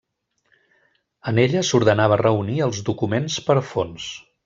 En ella s'ordenava reunir els documents per fons.